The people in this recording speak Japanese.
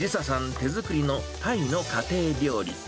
手作りのタイの家庭料理。